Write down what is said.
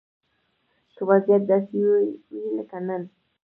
که وضيعت داسې وي لکه نن